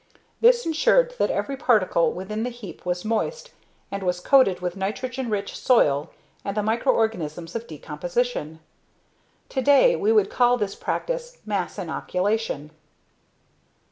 This insured that every particle within the heap was moist and was coated with nitrogen rich soil and the microorganisms of decomposition. Today, we would call this practice "mass inoculation."